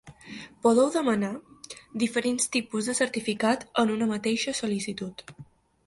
Podeu demanar diferents tipus de certificat en una mateixa sol·licitud.